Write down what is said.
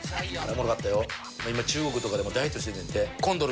今中国とかでも大ヒットしてんねんて。